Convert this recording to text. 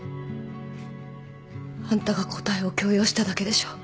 あんたが答えを強要しただけでしょ。